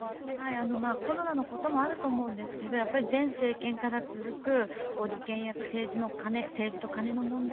コロナのこともあると思うんですがやはり前政権から続く利権や政治と金の問題。